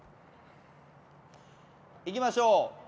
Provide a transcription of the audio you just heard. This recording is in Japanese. いきましょう。